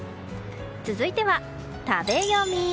続いては食べヨミ。